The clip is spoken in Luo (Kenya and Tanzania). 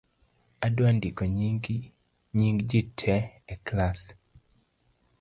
Adwa ndiko nying’ jii tee e klass